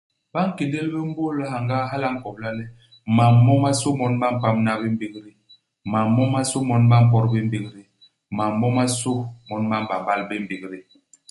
Ba nkéndél bé mbôl i hyangaa, hala a nkobla le, mam momasô mon ba mpamna bé i mbégdé. Mam momasô mon ba mpot bé i mbégdé. Mam momasô mon ba m'bambal bé i mbégdé.